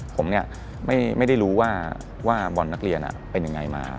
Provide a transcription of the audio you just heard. ผมไม่ได้รู้ว่าบอลนักเรียนเป็นยังไงมา